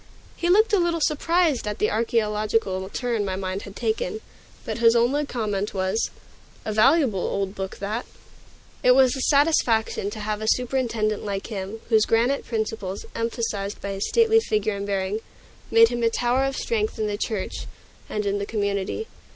He looked a little surprised at the archaeological turn my mind had taken, but his only comment was, "A valuable old book that." It was a satisfaction to have a superintendent like him, whose granite principles, emphasized by his stately figure and bearing, made him a tower of strength in the church and in the community.